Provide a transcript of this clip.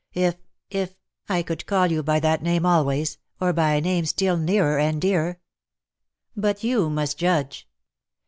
If — if — I could call you by that name always, or by a name still nearer and dearer. But you must judge.